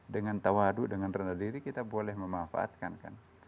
dengan tawadu dengan rendah diri kita boleh memanfaatkan kan